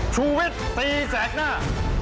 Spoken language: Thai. ชูวิทย์ตีแสกหน้า